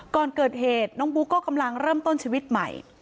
ก่อนเกิดเหตุน้องบุ๊กก็กำลังเริ่มต้นชีวิตใหม่